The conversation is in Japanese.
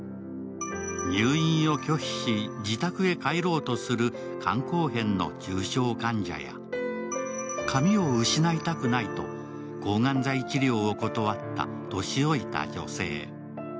入院を拒否し、自宅へ帰ろうとする肝硬変の重症患者や髪を失いたくないと抗がん剤治療を断った年老いた女性。